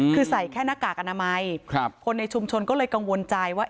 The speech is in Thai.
คือใส่แค่หน้ากากอนามัยคนในชุมชนก็เลยกังวลใจว่า